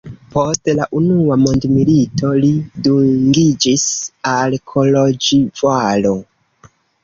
Post la unua mondmilito li dungiĝis al Koloĵvaro.